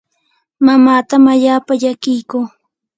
mamaatam allaapa llakiyku.